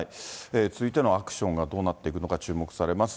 続いてのアクションがどうなっていくのか注目されます。